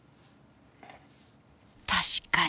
確かに。